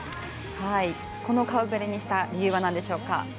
この顔ぶれにした理由は何でしょうか？